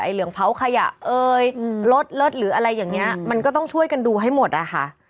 ไอ้เหลืองเผาขยะรถหรืออะไรอย่างนี้มันก็ต้องช่วยกันดูให้หมดค่ะ